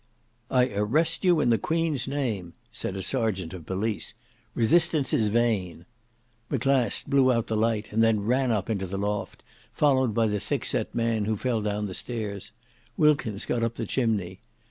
"I arrest you in the Queen's name," said a serjeant of police. "Resistance is vain." Maclast blew out the light, and then ran up into the loft, followed by the thickset man, who fell down the stairs: Wilkins got up the chimney.